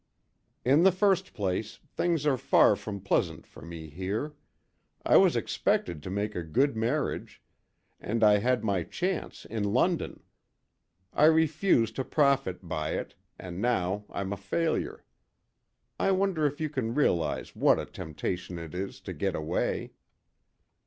In the first place, things are far from pleasant for me here; I was expected to make a good marriage, and I had my chance in London; I refused to profit by it, and now I'm a failure. I wonder if you can realise what a temptation it is to get away."